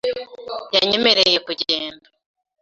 Yanyemereye kugenda .